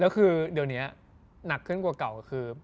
แล้วคือเดี๋ยวนี้หนักขึ้นกว่าเก่าคือ